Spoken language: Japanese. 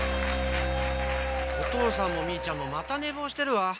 おとうさんもみーちゃんもまたねぼうしてるわ。